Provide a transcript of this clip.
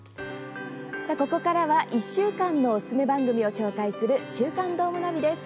ここからは１週間のおすすめ番組を紹介する「週刊どーもナビ」です。